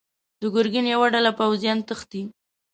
د ګرګين يوه ډله پوځيان تښتي.